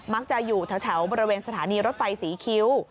จะอยู่แถวบริเวณสถานีรถไฟศรีคิ้ว